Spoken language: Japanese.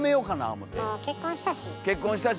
もう結婚したし。